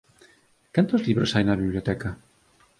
Cantos libros hai na biblioteca?